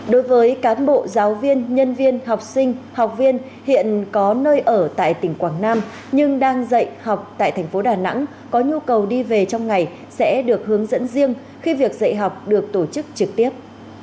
đối với cán bộ giáo viên nhân viên học sinh học viên hiện có nơi ở tại tỉnh quảng nam nhưng đang dạy học tại thành phố đà nẵng có nhu cầu đi về trong ngày sẽ được hướng dẫn riêng khi việc dạy học được tổ chức trực tiếp